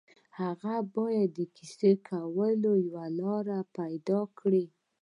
هغه باید د کیسې کولو یوه لاره پيدا کړي